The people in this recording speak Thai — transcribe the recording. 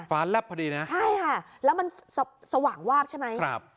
แลบพอดีนะใช่ค่ะแล้วมันสว่างวาบใช่ไหมครับ